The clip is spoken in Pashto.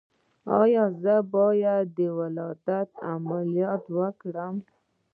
ایا زه باید د ولادت عملیات وکړم؟